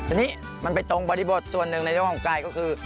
อันนี้มันไปตรงบริบทส่วนหนึ่งในเรื่องของกายก็คือ